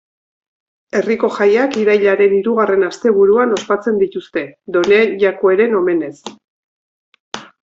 Herriko jaiak irailaren hirugarren asteburuan ospatzen dituzte, Done Jakueren omenez.